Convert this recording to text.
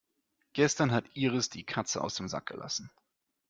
Gestern hat Iris die Katze aus dem Sack gelassen.